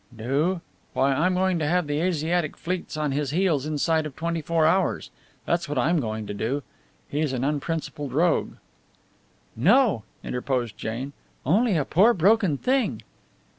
"Do? Why, I'm going to have the Asiatic fleets on his heels inside of twenty four hours! That's what I'm going to do! He's an unprincipled rogue!" "No," interposed Jane, "only a poor broken thing."